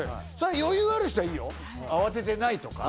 余裕ある人はいいよ慌ててないとか